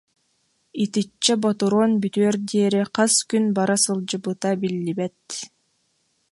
итиччэ ботуруон бүтүөр диэри хас күн бара сылдьыбыта биллибэт